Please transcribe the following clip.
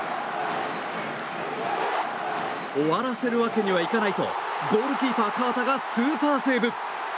終わらせるわけにはいかないとゴールキーパー、河田がスーパーセーブ。